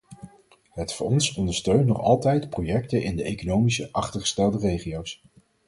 Het fonds ondersteunt nog altijd projecten in de economisch achtergestelde regio's.